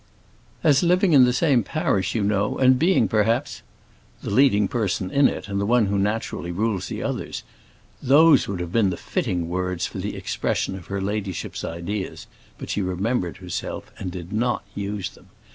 "As living in the same parish, you know, and being, perhaps " the leading person in it, and the one who naturally rules the others. Those would have been the fitting words for the expression of her ladyship's ideas; but she remembered herself, and did not use them.